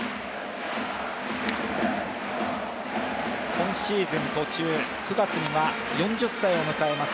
今シーズン途中、９月には４０歳を迎えます